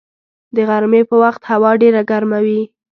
د غرمې په وخت هوا ډېره ګرمه وي